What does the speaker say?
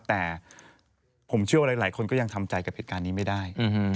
แต่ผมเชื่อว่าหลายคนก็ยังทำใจกับเหตุการณ์นี้ไม่ได้